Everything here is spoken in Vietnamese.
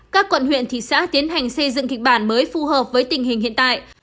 các quận huyện thị xã tiến hành xây dựng kịch bản mới phù hợp với tình hình hiện tại